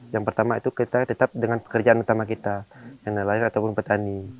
yang pertama itu kita tetap dengan pekerjaan utama kita yang nelayan ataupun petani